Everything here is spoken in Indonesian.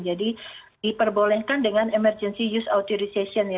jadi diperbolehkan dengan emergency use authorization